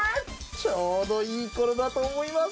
ちょうどいい頃だと思います。